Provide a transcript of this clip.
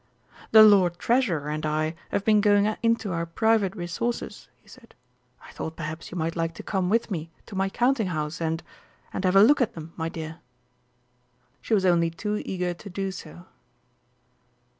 "The Lord Treasurer and I have been going into our private resources," he said. "I thought perhaps you might like to come with me to my Counting house and and have a look at 'em, my dear." She was only too eager to do so.